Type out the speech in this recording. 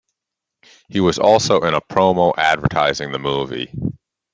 He was also in an promo advertising the movie.